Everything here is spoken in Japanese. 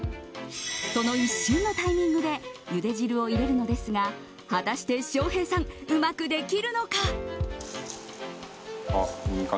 その一瞬のタイミングでゆで汁を入れるのですが果たして翔平さんうまくできるのか？